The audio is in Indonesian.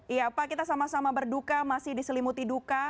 iya pak kita sama sama berduka masih diselimuti duka